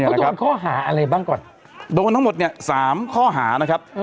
เขาโดนข้อหาอะไรบ้างก่อนโดนทั้งหมดเนี่ยสามข้อหานะครับ